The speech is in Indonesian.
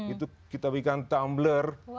itu kita berikan tumbler